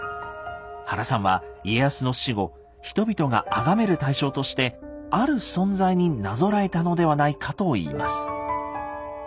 原さんは家康の死後人々が崇める対象として「ある存在」になぞらえたのではないかと言います。